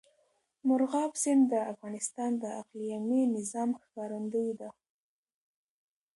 مورغاب سیند د افغانستان د اقلیمي نظام ښکارندوی ده.